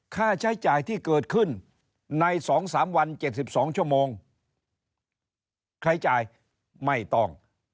ค่าใช้จ่ายที่เกิดขึ้นใน๒๓วัน๗๒ชั่วโมงใครจ่ายไม่ต้อง